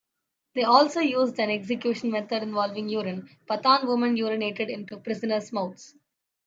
They also used an execution method involving urine; Pathan women urinated into prisoner's mouths.